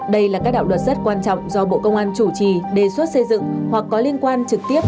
đây là các đạo luật rất quan trọng do bộ công an chủ trì đề xuất xây dựng hoặc có liên quan trực tiếp